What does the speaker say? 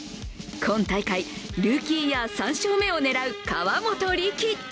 今大会ルーキーイヤー３勝目を狙う河本力。